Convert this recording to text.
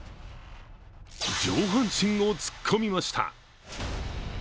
上半身を突っ込みました。